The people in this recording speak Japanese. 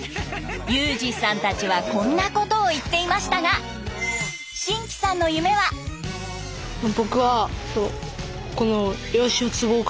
優兒さんたちはこんなことを言っていましたが真喜さんの夢は。